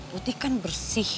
putih kan bersih